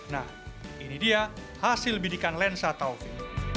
nah ini dia hasil bidikan lensa taufik